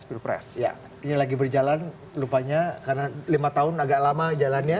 ini lagi berjalan lupanya karena lima tahun agak lama jalannya